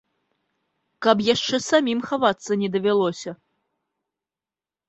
Каб яшчэ самім хавацца не давялося.